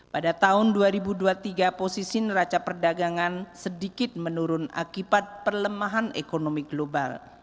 pada tahun dua ribu dua puluh tiga posisi neraca perdagangan sedikit menurun akibat perlemahan ekonomi global